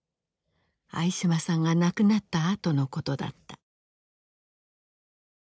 相嶋さんが亡くなったあとのことだった。